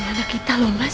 ini anak kita loh mas